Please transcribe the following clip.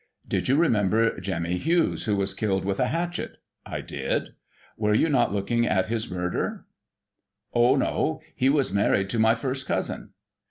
Did you remember Jemmy Hughes, who was killed with a hatchet ?— I did. Were you not looking at his murder ?— Oh, no ; he was married to my first cousin.